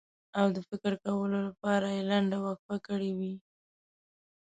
او د فکر کولو لپاره یې لنډه وقفه کړې وي.